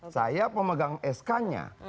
saya pemegang sk nya